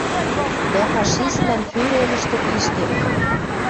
Дӓ фашиствлӓн фюрерӹштӹ пиштен